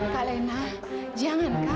kak lena jangan kak